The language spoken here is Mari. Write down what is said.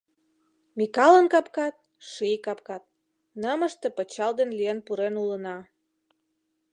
Микалын капкат — ший капкат, Нымыште пычал ден лӱен пурен улына.